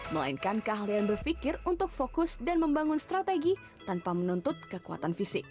melainkan keahlian berpikir untuk fokus dan membangun strategi tanpa menuntut kekuatan fisik